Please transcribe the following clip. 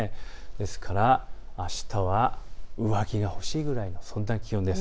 ですから、あしたは上着が欲しいぐらい、そんな気温です。